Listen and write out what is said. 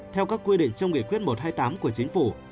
theo các quy định trong nghị quyết một trăm hai mươi tám của chính phủ